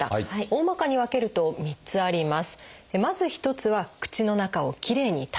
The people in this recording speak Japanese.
おおまかに分けると３つあります。